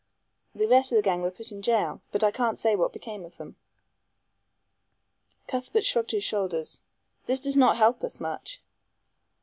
The rest of the gang were put in jail, but I can't say what became of them." Cuthbert shrugged his shoulders. "This does not help us much."